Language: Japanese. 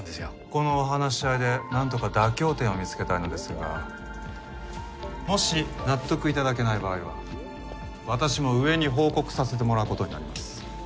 このお話し合いでなんとか妥協点を見つけたいのですがもし納得頂けない場合は私も上に報告させてもらう事になります。